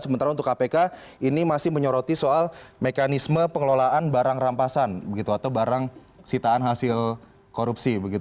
sementara untuk kpk ini masih menyoroti soal mekanisme pengelolaan barang rampasan atau barang sitaan hasil korupsi